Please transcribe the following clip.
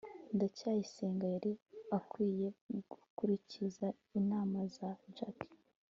ndacyayisenga yari akwiye gukurikiza inama za jaki